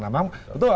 nah memang betul